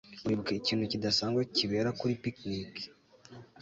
uribuka ikintu kidasanzwe kibera kuri picnic